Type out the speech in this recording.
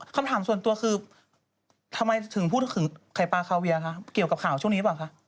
คำถามส่วนตัวคือทำไมถึงพูดถึงไข่ปลาคาเวียคะเกี่ยวกับข่าวช่วงนี้เปล่าคะ